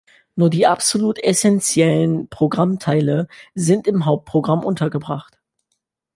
Nur die absolut essenziellen Programmteile sind im Hauptprogramm untergebracht.